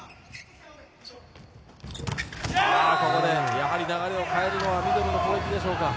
ここでやはり流れを変えるのはミドルの攻撃でしょうか。